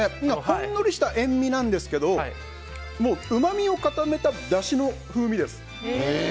ほんのりした塩みなんですけどもう、うまみを固めただしの風味です。